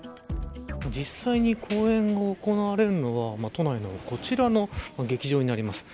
実際に公演が行われるのは都内のこちらの劇場になります。